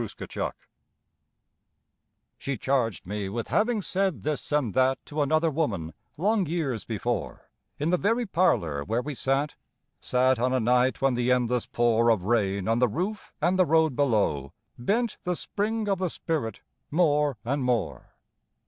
"SHE CHARGED ME" SHE charged me with having said this and that To another woman long years before, In the very parlour where we sat,— Sat on a night when the endless pour Of rain on the roof and the road below Bent the spring of the spirit more and more